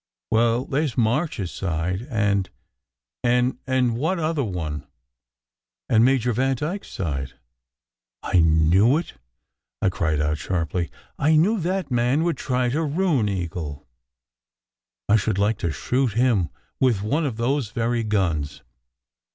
" "Well, there s March s side, and " "And what other one?" "And Major Vandyke s side." "I knew it!" I cried out sharply. "I knew that man would try to ruin Eagle. I should like to shoot him with one of those very guns."